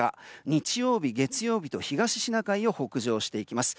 日曜日、月曜日と東シナ海を北上していきます。